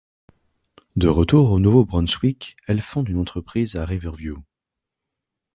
De retour au Nouveau-Brunswick, elle fonde une entreprise à Riverview.